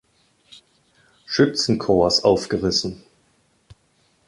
Schützen-Korps aufgerissen.